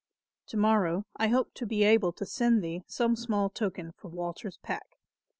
"To morrow I hope to be able to send thee some small token from Walter's pack.